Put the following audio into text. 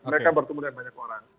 mereka bertemu dengan banyak orang